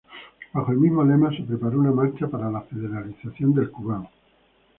Bajo el mismo lema, se preparó una marcha para la federalización del Kuban.